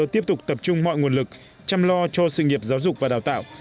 tiếp tục tập trung mọi nguồn lực chăm lo cho sự nghiệp giáo dục và đào tạo